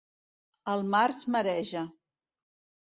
El març mareja.